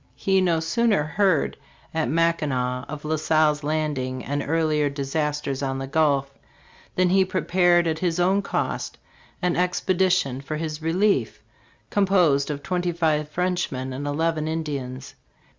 He no sooner heard at Macki nac of La Salle's landing and earlier disasters on the Gulf, than he prepared at his own cost an expedition for his relief, composed of twenty five French men and eleven Indians.